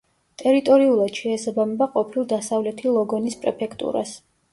ტერიტორიულად შეესაბამება ყოფილ დასავლეთი ლოგონის პრეფექტურას.